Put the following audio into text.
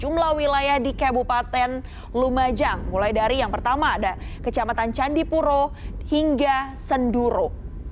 jumlah wilayah di kabupaten lumajang mulai dari yang pertama ada kecamatan candipuro hingga senduro